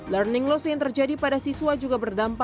learning loss yang terjadi pada siswa juga berdampak